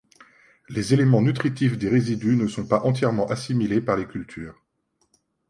Les éléments nutritifs des résidus ne sont pas entièrement assimilés par les cultures.